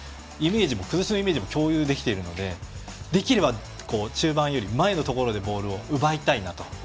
崩しのイメージも共有できているのでできれば中盤より前でボールを奪いたいなと。